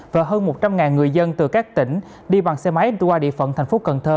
và hơn một trăm linh người dân từ các tỉnh đi bằng xe máy đi qua địa phận thành phố cần thơ